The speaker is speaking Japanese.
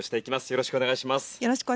よろしくお願いします。